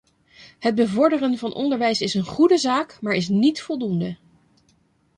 Het bevorderen van onderwijs is een goede zaak, maar is niet voldoende.